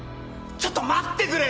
ちょっと待ってくれよ！